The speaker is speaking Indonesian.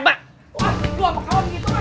wah lu sama kawan gitu kan